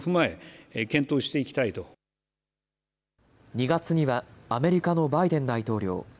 ２月にはアメリカのバイデン大統領。